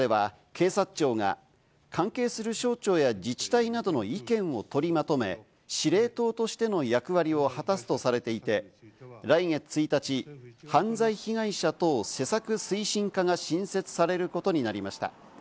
この中では、警察庁が関係する省庁や自治体などの意見を取りまとめ、司令塔としての役割を果たすとされていて、来月１日、犯罪被害者等施策推進課が新設されることになりました。